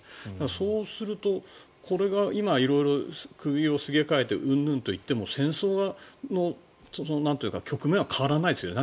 そうすると、これが今首をすげ替えて云々といっても戦争の局面は変わらないですよね。